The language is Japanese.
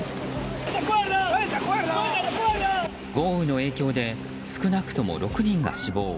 豪雨の影響で少なくとも６人が死亡。